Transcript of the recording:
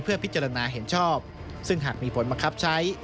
พิจารณาเห็นชอบซึ่งหากมีผลบังคับใช้